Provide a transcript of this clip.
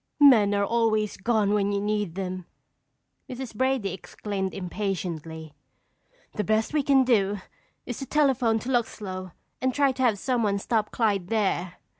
"Men are always gone when you need them!" Mrs. Brady exclaimed impatiently. "The best we can do is to telephone to Luxlow and try to have someone stop Clyde there."